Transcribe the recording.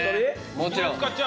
もちろん。